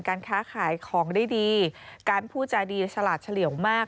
การค้าขายของได้ดีการพูดจาดีฉลาดเฉลี่ยวมาก